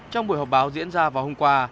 trong buổi họp báo diễn ra vào hôm qua